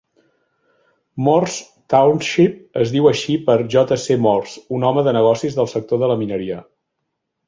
Morse Township es diu així per J. C. Morse, un home de negocis del sector de la mineria.